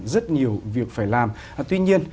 rất nhiều việc phải làm tuy nhiên